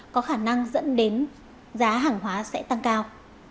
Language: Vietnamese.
có khả năng dẫn đến giá hàng hóa sẽ tăng cao